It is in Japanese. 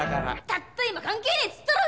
たった今関係ねえっつったろうが！